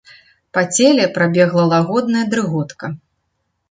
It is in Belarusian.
Па целе прабегла лагодная дрыготка.